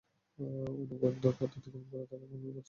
অনেক বন্ধুর পথ অতিক্রম করে তাকে বনু কুরাইযার পল্লীতে পৌঁছতে হয়।